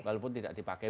walaupun tidak dipakai